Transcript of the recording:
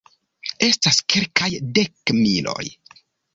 Estas kelkaj dekmiloj.